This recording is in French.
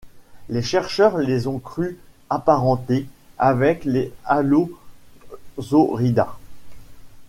Les chercheurs les ont crus apparentés avec les Allosauridae.